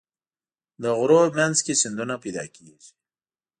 د غرونو منځ کې سیندونه پیدا کېږي.